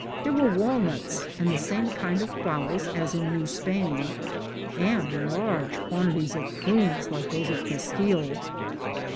There were walnuts and the same kind of fowls as in New Spain, and large quantities of prunes like those of Castile.